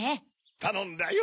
たのんだよ。